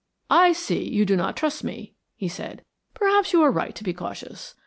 "I see, you do not trust me," he said. "Perhaps you are right to be cautious.